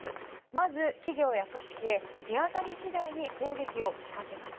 まず、企業や組織へ手当たり次第に攻撃を仕掛けます。